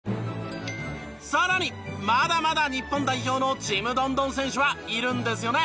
更にまだまだ日本代表のちむどんどん選手はいるんですよね？